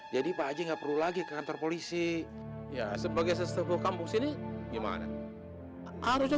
jadi pak haji nggak perlu lagi kantor polisi ya sebagai sesukuh kampus ini gimana harusnya